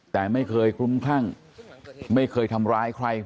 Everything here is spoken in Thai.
แต่ไม่เคยคลุ้มคลั่งไม่เคยทำร้ายใคร